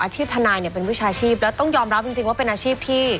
ทนายเนี่ยเป็นวิชาชีพแล้วต้องยอมรับจริงว่าเป็นอาชีพที่